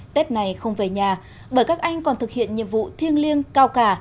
tết này không về nhà bởi các anh còn thực hiện nhiệm vụ thiêng liêng cao cả